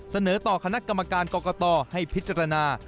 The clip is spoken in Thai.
เสนอต่อคณะกรรมการกรกตให้พิจารณา